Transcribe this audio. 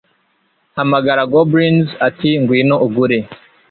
Hamagara goblins ati Ngwino ugure